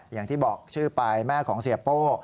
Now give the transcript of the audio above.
อย่างที่บอกชื่อไปแม่ของเสียโป้